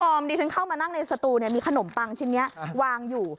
อมดิฉันเข้ามานั่งในสตูมีขนมปังชิ้นนี้วางอยู่